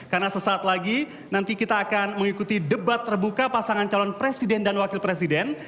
karena sesaat lagi nanti kita akan mengikuti debat terbuka pasangan calon presiden dan wakil presiden